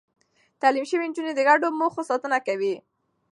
تعليم شوې نجونې د ګډو موخو ساتنه کوي.